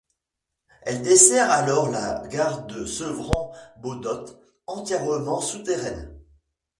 Elle dessert alors la gare de Sevran - Beaudottes, entièrement souterraine.